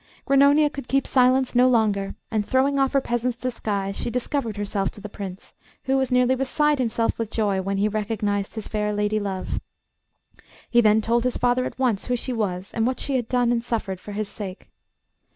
Grannonia could keep silence no longer, and throwing off her peasant's disguise, she discovered herself to the Prince, who was nearly beside himself with joy when he recognised his fair lady love. He then told his father at once who she was, and what she had done and suffered for his sake.